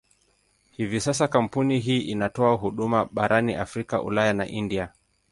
Hivi sasa kampuni hii inatoa huduma barani Afrika, Ulaya na India.